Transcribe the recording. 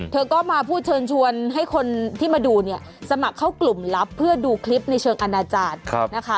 เธอก็มาพูดเชิญชวนให้คนที่มาดูเนี่ยสมัครเข้ากลุ่มลับเพื่อดูคลิปในเชิงอาณาจารย์นะคะ